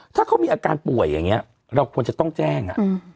ถ้าเขามีอาการป่วยอย่างนี้เราควรจะต้องแจ้ง